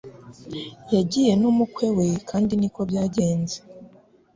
Yagiye n'umukwe we kandi niko byagenze